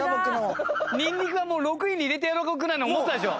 ニンニクは６位に入れてやろうかぐらいに思ってたでしょ？